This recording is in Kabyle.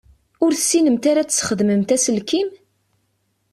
Ur tessinemt ara ad tesxedmemt aselkim?